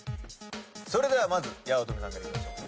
それでは八乙女さんからいきましょう。